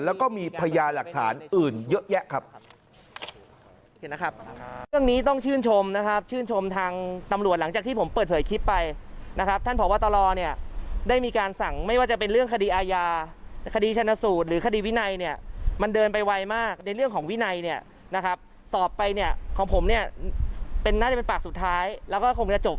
แล้วก็มีพยาหลักฐานอื่นเยอะแยะครับ